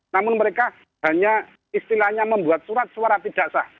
namun mereka hanya istilahnya membuat surat suara tidak sah